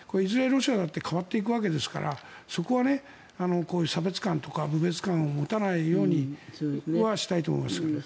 ロシアだって変わっていくわけですからそこはこういう差別感とか侮蔑感を持たないようにはしたいと思いますけどね。